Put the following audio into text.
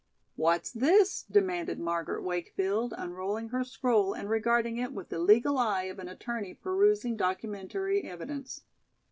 "What's this?" demanded Margaret Wakefield, unrolling her scroll and regarding it with the legal eye of an attorney perusing documentary evidence.